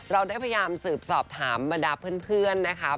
เราได้พยายามสืบสอบถามบรรดาเพื่อนนะคะ